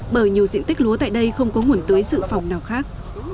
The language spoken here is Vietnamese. bởi nhiều diện tích lúa tại đây không có nguồn tưới dự phòng nào khác